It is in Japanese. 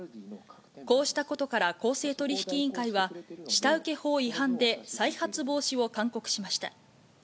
こうしたことから公正取引委員会は、下請法違反で再発防止を勧告しました。